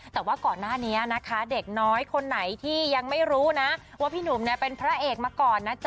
แต่ว่าก่อนหน้านี้นะคะเด็กน้อยคนไหนที่ยังไม่รู้นะว่าพี่หนุ่มเนี่ยเป็นพระเอกมาก่อนนะจ๊